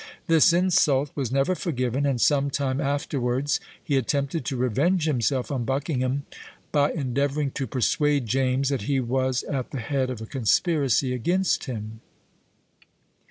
This insult was never forgiven; and some time afterwards he attempted to revenge himself on Buckingham, by endeavouring to persuade James that he was at the head of a conspiracy against him.